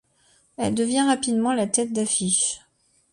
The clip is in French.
Elle devient rapidement la tête d'affiche.